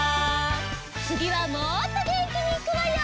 つぎはもっとげんきにいくわよ！